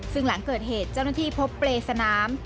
ซึ่งหลังเกิดเหตุเจ้าหน้าที่พบเปรย์สนาม